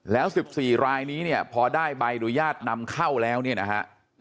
แล้ว๑๔รายนี้เนี่ยพอได้ใบอนุญาตนำเข้าแล้วเนี่ยนะฮะ